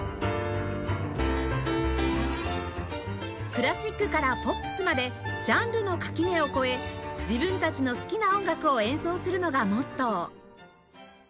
クラシックからポップスまでジャンルの垣根を越え自分たちの好きな音楽を演奏するのがモットー